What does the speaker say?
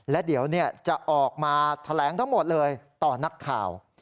และเดี๋ยวจะออกมาแถลงทั้งหมดเลยต่อนักข่าว